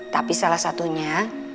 tapi salah satunya